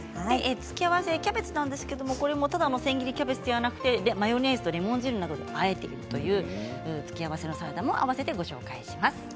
付け合わせのキャベツもこれもただの千切りキャベツではなくてマヨネーズ、レモン汁などとあえているという付け合わせのサラダも併せてご紹介します。